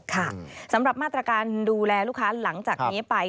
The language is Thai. ค่ะสำหรับมาตรการดูแลลูกค้าหลังจากนี้ไป